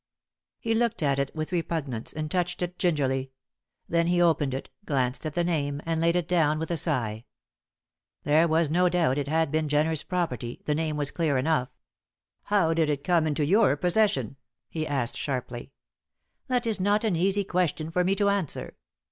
He looked at it with repugnance, and touched it gingerly. Then he opened it, glanced at the name, and laid it down with a sigh. There was no doubt it had been Jenner's property, the name was clear enough. "How did it come into your possession?" he asked, sharply. "That is not an easy question for me to answer."